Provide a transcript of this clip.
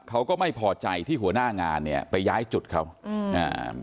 เขาก็ไม่พอใจที่หัวหน้างานเนี้ยไปย้ายจุดเขาอืมอ่า